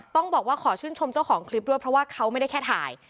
ต้องบอกว่าขอชื่นชมเจ้าของคลิปด้วยเพราะว่าเขาไม่ได้แค่ถ่าย